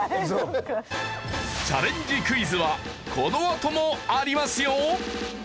チャレンジクイズはこのあともありますよ！